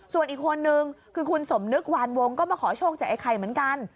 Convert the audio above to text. ส่วนอีกคนนึงคือคุณสมนึกวานวงก็มาขอโชคจากไอ้ไข่เหมือนกัน